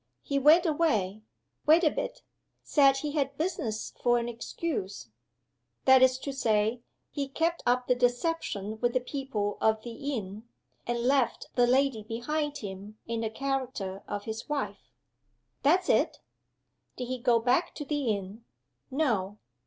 "He went away. Wait a bit! Said he had business for an excuse." "That is to say, he kept up the deception with the people of the inn? and left the lady behind him, in the character of his wife?" "That's it." "Did he go back to the inn?" "No."